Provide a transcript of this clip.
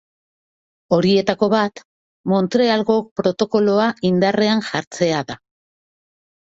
Horietako bat Montrealgo Protokoloa indarrean jartzea da.